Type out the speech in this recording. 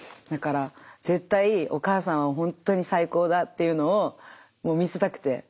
だから絶対お母さんはほんっとに最高だっていうのを見せたくて。